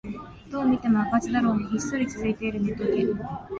どう見ても赤字だろうにひっそり続いているネトゲ